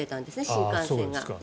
新幹線が。